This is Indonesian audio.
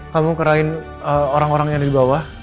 kamu kerahin orang orang yang ada di bawah